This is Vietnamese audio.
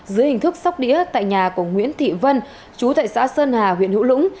dưới hình thức sóc đĩa tại nhà của nguyễn thị vân chú tại xã sơn hà huyện hữu lũng